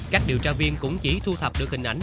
các điều tra viên cũng chỉ thu thập được hình ảnh